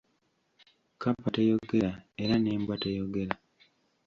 Kkapa teyogera era n'embwa teyogera.